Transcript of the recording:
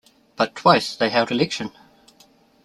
But twice they held election.